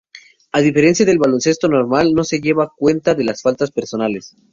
A diferencia del baloncesto normal, no se lleva cuenta de las faltas personales.